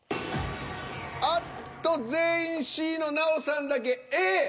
あっと全員Ｃの奈緒さんだけＡ。